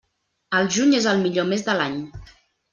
El juny és el millor mes de l'any.